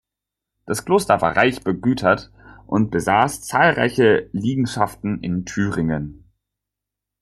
Das Kloster war reich begütert und besaß zahlreiche Liegenschaften in Thüringen.